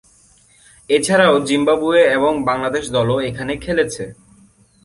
এছাড়াও জিম্বাবুয়ে এবং বাংলাদেশ দলও এখানে খেলেছে।